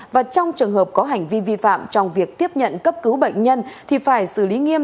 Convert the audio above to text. và trong trường hợp có hành vi vi phạm trong việc tiếp nhận cấp cứu bệnh nhân thì phải xử lý nghiêm